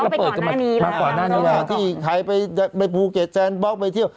ไปก่อนหน้านี้มาก่อนหน้านี้ที่ขายไปไปภูเก็ตแซนบ็อกไปเที่ยว